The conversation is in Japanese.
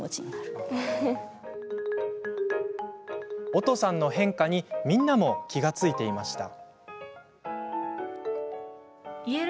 おとさんの変化にみんなも気が付いていました。